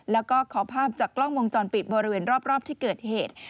แล้วก็ขอภาพจากกล้องวงจรปิดบริเวณรอบที่เกิดเหตุ